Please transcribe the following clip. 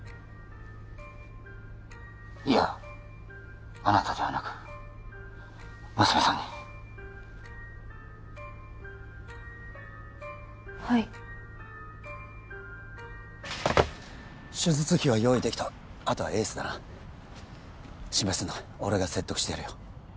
いやあなたではなく娘さんにはい手術費は用意できたあとはエースだな心配すんな俺が説得してやるよ